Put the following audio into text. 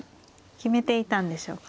決めていたんでしょうか。